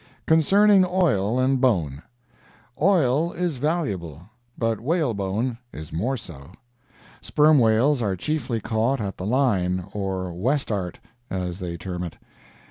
CONCERNING OIL AND BONE Oil is valuable, but whalebone is more so. Sperm whales are chiefly caught at the "line," or "west'art," as they term it.